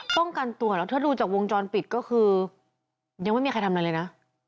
ป้องกันตัวแล้วถ้าดูจากวงจรปิดก็คือยังไม่มีใครทำอะไรเลยนะ